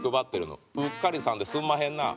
「うっかりさんですんまへんな」